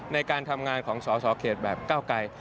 ในการทำงานของสสเขตแบบเก้าไกร